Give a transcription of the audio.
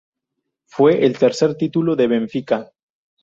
Fue el tercer título de Benfica.